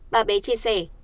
bà bé chia sẻ